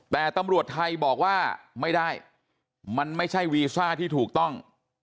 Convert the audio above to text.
แต่ตำรวจไทยบอกว่าไม่ได้มันไม่ใช่วีซ่าที่ถูกต้อง